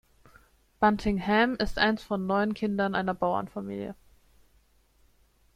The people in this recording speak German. Bunting Hem ist eins von neun Kindern einer Bauernfamilie.